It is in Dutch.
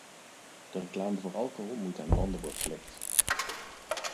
De reclame voor alcohol moet aan banden worden gelegd.